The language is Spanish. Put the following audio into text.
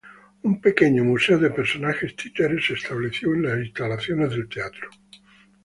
Un pequeño museo de personajes títeres se estableció en las instalaciones del teatro.